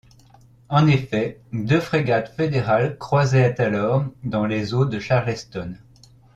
En effet, deux frégates fédérales croisaient alors dans les eaux de Charleston.